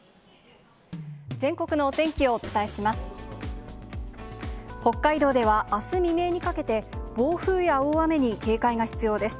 全国のお天気をお伝えします。